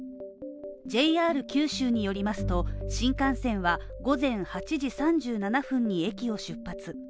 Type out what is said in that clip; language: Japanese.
ＪＲ九州によりますと、新幹線は午前８時３７分に駅を出発。